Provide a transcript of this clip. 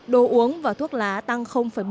đồ uống và thuốc lá tăng bảy mươi năm